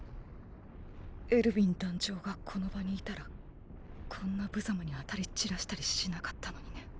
エルヴィン団長がこの場にいたらこんな不様に当たり散らしたりしなかったのにね。